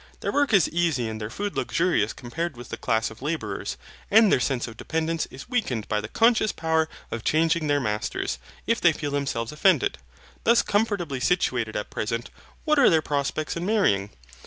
Their work is easy and their food luxurious compared with the class of labourers. And their sense of dependence is weakened by the conscious power of changing their masters, if they feel themselves offended. Thus comfortably situated at present, what are their prospects in marrying?